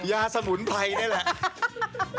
กินยาสมุนไพรได้แหละ